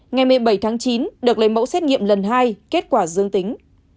ngày một mươi bảy tháng chín được lấy mẫu xét nghiệm lần hai kết quả dương tính